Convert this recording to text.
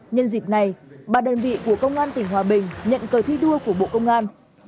nhân dịp này ba đơn vị của công an tỉnh hòa bình nhận cờ thi đua của bộ công an